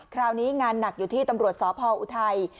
คราวนี้งานหนักอยู่ที่ตำรวจสพออุทัย